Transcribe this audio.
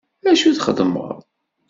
Acu txeddmeḍ!